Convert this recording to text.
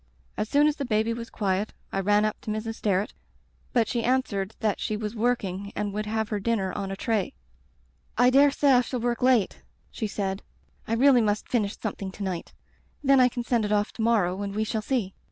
"As soon as the baby was quiet I ran up to Mrs. Sterret, but she answered that she was working and would have her dinner on a tray. "*I dare say I shall work late,' she said. *I really must finish something to night. Then I can send it off to morrow and we shall see.'